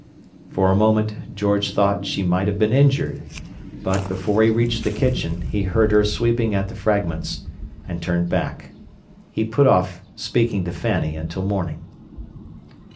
For a moment George thought she might have been injured, but, before he reached the kitchen, he heard her sweeping at the fragments, and turned back. He put off speaking to Fanny until morning.